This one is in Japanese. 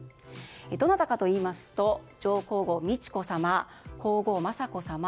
どなたかといいますと上皇后・美智子さま皇后・雅子さま